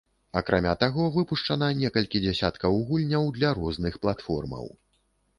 Акрамя таго, выпушчана некалькі дзясяткаў гульняў для розных платформаў.